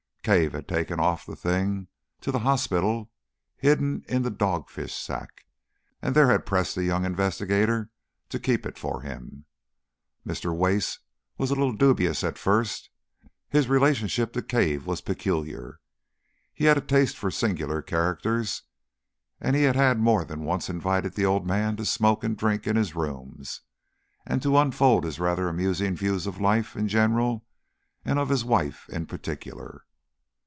Cave had taken off the thing to the hospital hidden in the dog fish sack, and there had pressed the young investigator to keep it for him. Mr. Wace was a little dubious at first. His relationship to Cave was peculiar. He had a taste for singular characters, and he had more than once invited the old man to smoke and drink in his rooms, and to unfold his rather amusing views of life in general and of his wife in particular.